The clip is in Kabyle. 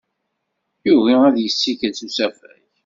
Yugi ad yessikel s usafag.